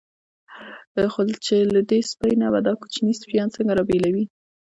خو چې له دې سپۍ نه به دا کوچني سپیان څنګه را بېلوي.